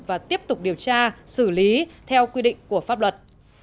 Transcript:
và tiếp tục điều tra xử lý theo quy định của pháp luật